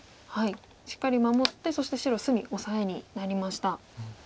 しっかり守ってそして白隅オサエになりました。